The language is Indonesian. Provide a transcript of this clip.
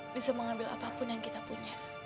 bisa mengambil apapun yang kita punya